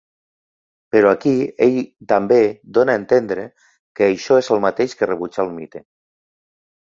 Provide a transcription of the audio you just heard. Però aquí ell també dona a entendre que això és el mateix que rebutjar el mite.